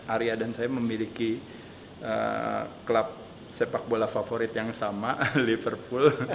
arya dan saya memiliki klub sepak bola favorit yang sama liverpool